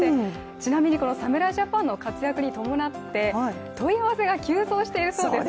ちなみに侍ジャパンの活躍に伴って問い合わせが急増しているそうです。